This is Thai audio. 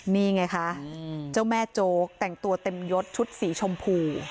นี่ไงคะเจ้าแม่โจ๊กแต่งตัวเต็มยดชุดสีชมพู